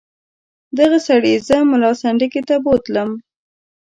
دغه سړي زه ملا سنډکي ته بوتلم.